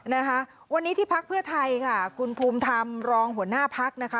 นะคะวันนี้ที่พักเพื่อไทยค่ะคุณภูมิธรรมรองหัวหน้าพักนะคะ